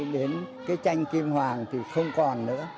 đến cái tranh kim hoàng thì không còn nữa